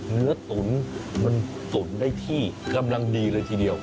เนื้อตุ๋นมันตุ๋นได้ที่กำลังดีเลยทีเดียว